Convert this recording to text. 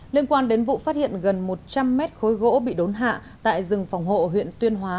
liên quan đến vụ phát hiện gần một trăm linh mét khối gỗ bị đốn hạ tại rừng phòng hộ huyện tuyên hóa